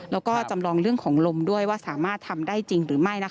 แล้วก็จำลองเรื่องของลมด้วยว่าสามารถทำได้จริงหรือไม่